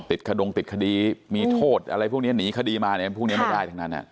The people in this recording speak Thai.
ขดงติดคดีมีโทษอะไรพวกนี้หนีคดีมาพวกนี้ไม่ได้ทั้งนั้น